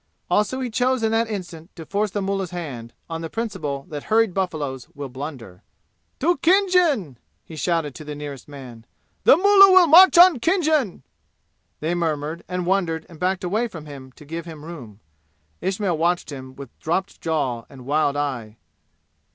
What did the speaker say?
Also he chose in that instant to force the mullah's hand, on the principle that hurried buffaloes will blunder. "To Khinjan!" he shouted to the nearest man. "The mullah will march on Khinjan!" They murmured and wondered and backed away from him to give him room. Ismail watched him with dropped jaw and wild eye.